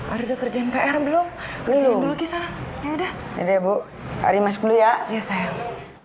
ari ada kerjaan pr belum belum ya udah iya deh bu hari masih ya ya sayang